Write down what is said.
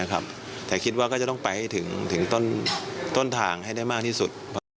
ผมคิดว่าต้องไปให้ถึงต้นทางได้มากที่สุด